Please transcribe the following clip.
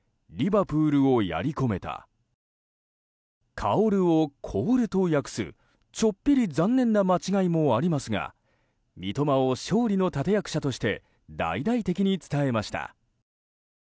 薫を「Ｋｏｕｒｕ」と訳すちょっぴり残念な間違いもありますが三笘を勝利の立役者として大々的に伝えました。